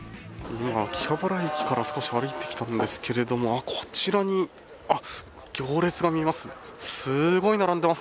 秋葉原駅から少し歩いてきたんですけれどもこちらに行列が見えます。